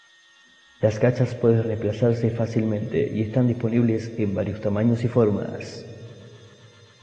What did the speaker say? Las cachas pueden reemplazarse fácilmente y están disponibles en varios tamaños y formas.